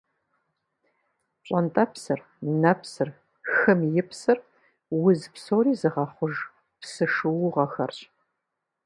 Пщӏэнтӏэпсыр, нэпсыр, хым и псыр – уз псори зыгъэхъуж псы шуугъэхэрщ.